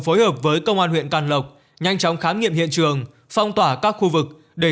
phối hợp với công an huyện can lộc nhanh chóng khám nghiệm hiện trường phong tỏa các khu vực để